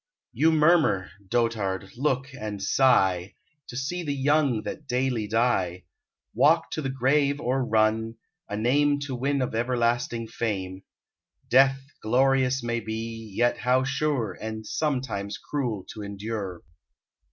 You murmur, dotard! look and sigh, To see the young, that daily die; Walk to the grave or run, a name To win of everlasting fame: Death glorious may be, yet how sure, And sometimes cruel to endure.